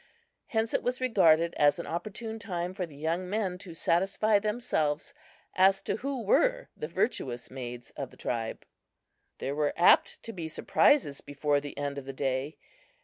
Hence it was regarded as an opportune time for the young men to satisfy themselves as to who were the virtuous maids of the tribe. There were apt to be surprises before the end of the day.